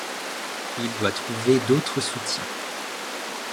Il doit trouver d'autres soutiens.